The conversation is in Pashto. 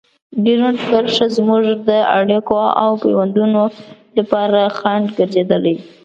ډیورنډ کرښه زموږ د اړیکو او پيوندونو لپاره خنډ ګرځېدلې.